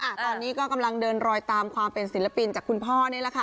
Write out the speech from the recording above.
อ่ะตอนนี้ก็กำลังเดินรอยตามความเป็นศิลปินจากคุณพ่อนี่แหละค่ะ